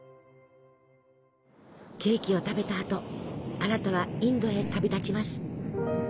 ケーキを食べたあとアラタはインドへ旅立ちます。